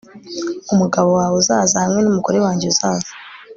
Umugabo wawe uzaza hamwe numugore wanjye uzaza